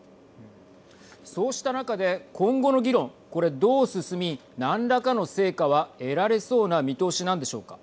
そうした中で、今後の議論これ、どう進み何らかの成果は得られそうな見通しなんでしょうか。